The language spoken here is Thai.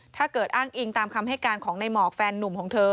อ้างอิงตามคำให้การของในหมอกแฟนนุ่มของเธอ